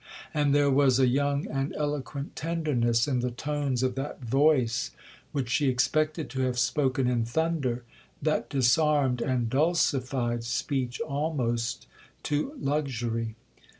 And there was a young and eloquent tenderness in the tones of that voice, which she expected to have spoken in thunder, that disarmed and dulcified speech almost to luxury.